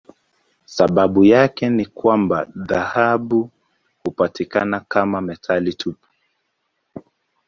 Sababu yake ni kwamba dhahabu hupatikana kama metali tupu.